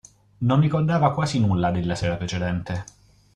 Non ricordava quasi nulla della sera precedente.